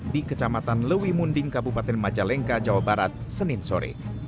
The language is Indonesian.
di kecamatan lewi munding kabupaten majalengka jawa barat senin sore